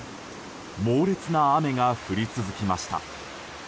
猛烈な雨が降り続きました。